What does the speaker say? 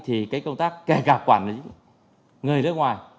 thì cái công tác kể cả quản lý người nước ngoài